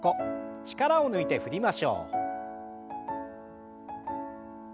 力を抜いて振りましょう。